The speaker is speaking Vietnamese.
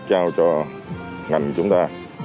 trao cho ngành chúng ta